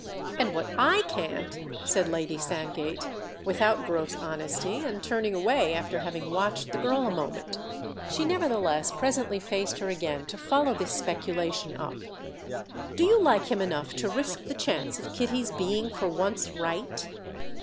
"And what I can't!" said Lady Sandgate without gross honesty and turning away after having watched the girl a moment. She nevertheless presently faced her again to follow this speculation up. "Do you like him enough to risk the chance of Kitty's being for once right?"